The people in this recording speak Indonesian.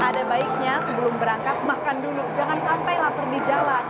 ada baiknya sebelum berangkat makan dulu jangan sampai lapar di jalan